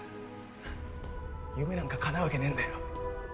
夢なんかかなうわけねえんだよ。